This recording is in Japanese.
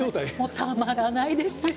たまらないです。